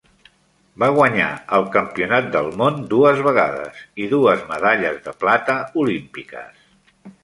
Va guanyar el Campionat del Món dues vegades i dues medalles de plata olímpiques.